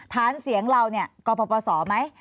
ฐานเสียงเราโก่ประพศไหม